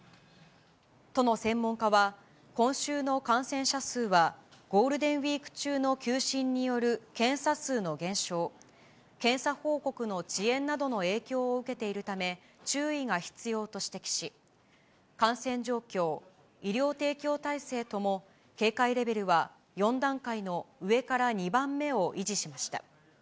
都の専門家は、今週の感染者数は、ゴールデンウィーク中の休診による検査数の減少、検査報告の遅延などの影響を受けているため、注意が必要と指摘し、感染状況、医療提供体制とも、警戒レベルは、４段階の上から２番目を維持しました。